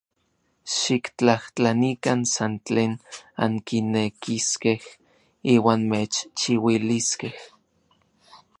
Xiktlajtlanikan san tlen ankinekiskej, iuan mechchiuiliskej.